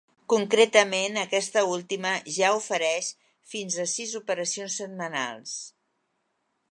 Concretament aquesta última, ja ofereix fins a sis operacions setmanals.